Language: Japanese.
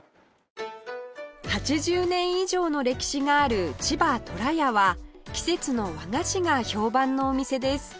８０年以上の歴史がある千葉虎屋は季節の和菓子が評判のお店です